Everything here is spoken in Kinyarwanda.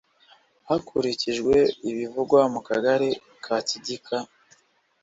hakurikijwe ibivugwa mu gace ka k igika